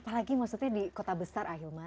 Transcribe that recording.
apalagi maksudnya di kota besar ah ilman